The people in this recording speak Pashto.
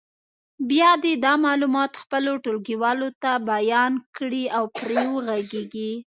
بیا دې دا معلومات خپلو ټولګیوالو ته بیان کړي او پرې وغږېږي.